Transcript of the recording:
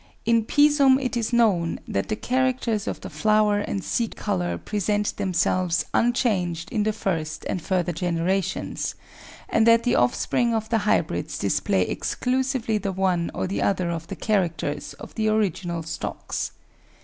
In Pisum it is known that the characters of the flower and seed colour present themselves unchanged in the first and further generations, and that the offspring of the hybrids display exclu sively the one or the other of the characters of the original stocks.